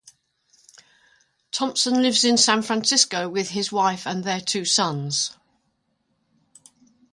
Thomson lives in San Francisco with his wife and their two sons.